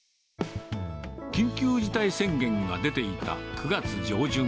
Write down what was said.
緊急事態宣言が出ていた９月上旬。